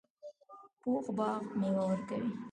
پوخ باغ میوه ورکوي